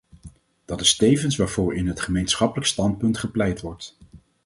Dat is tevens waarvoor in het gemeenschappelijk standpunt gepleit wordt.